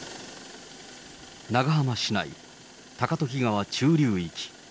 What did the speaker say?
長浜市内、高時川中流域。